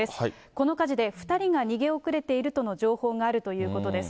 この火事で２人が逃げ遅れているとの情報があるということです。